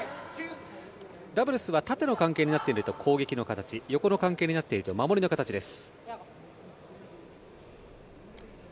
ダブルスは縦の関係になっていると攻撃の形横の関係になっていると守りの形です。